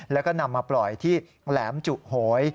แล้วก็นำมาปล่อยที่แหลมจุโหย